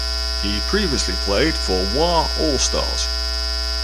He previously played for Wa All Stars.